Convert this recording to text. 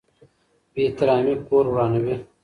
بې احترامي کور ورانوي.